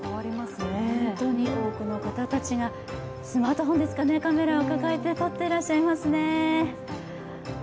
多くの方たちがスマートフォンですか、カメラを抱えて撮っていらっしゃいますね。